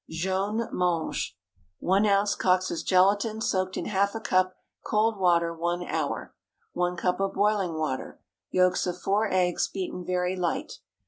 JAUNE MANGE. ✠ 1 oz. Coxe's gelatine, soaked in half a cup cold water one hour. 1 cup of boiling water. Yolks of four eggs beaten very light.